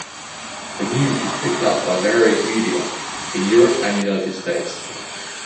The news was picked up by various media in Europe and United States.